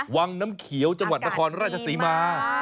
วังน้ำเขียวจังหวัดนครราชศรีมา